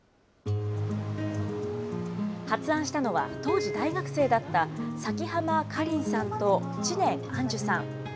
発案したのは、当時大学生だった、崎濱花鈴さんと知念杏珠さん。